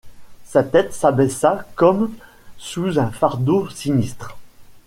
Sa tête s’abaissa comme sous un fardeau sinistre.